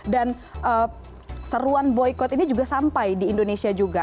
dan seruan boykot ini juga sampai di indonesia juga